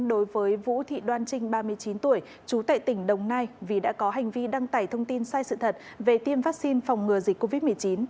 đối với vũ thị đoan trinh ba mươi chín tuổi trú tại tỉnh đồng nai vì đã có hành vi đăng tải thông tin sai sự thật về tiêm vaccine phòng ngừa dịch covid một mươi chín